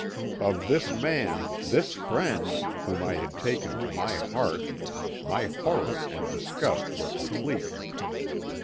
"Of this man, this friend, whom I had taken to my heart, my horror and disgust were complete.